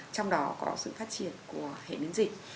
trong đó có sự phát triển của hệ biến dịch